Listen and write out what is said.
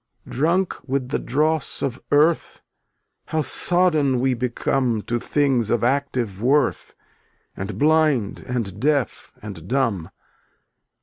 300 Drunk with the dross of earth, How sodden we become To things of active worth, And blind and deaf and dumb.